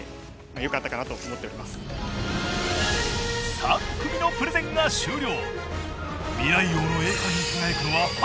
３組のプレゼンが終了。